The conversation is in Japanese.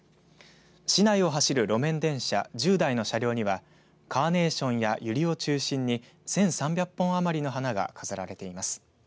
市内を走る路面電車１０台の車両にはカーネーションやゆりを中心に１３００本余りの花が飾られています。